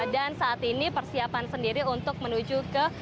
dan saat ini persiapan sendiri untuk menuju ke